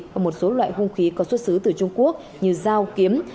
và một số loại hung khí có xuất xứ từ trung quốc như dao kiếm